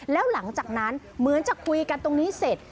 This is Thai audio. แล้วหลังจากนั้นเหมือนจะคุยกันตรงนี้เสร็จ